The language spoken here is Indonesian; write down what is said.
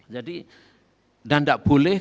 jadi dan enggak boleh